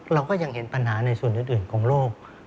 เราก็ยังเห็นปัญหาในส่วนอื่นของโลก